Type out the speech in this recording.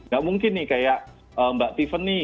gak mungkin nih kayak mbak tiffany